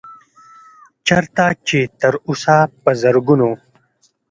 چرته چې تر اوسه پۀ زرګونو